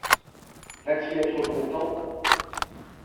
Va-t-il être content